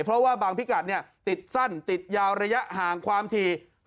เพราะว่าบางพิกัดติดสั้นติดยาวระยะห่างความถี่